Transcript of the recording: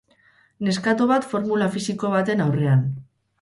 Neskato bat formula fisiko baten aurrean.